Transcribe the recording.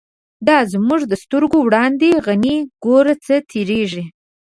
دا زمونږ د سترگو وړاندی، «غنی » گوره څه تیریږی